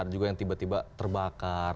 juga yang tiba tiba terbakar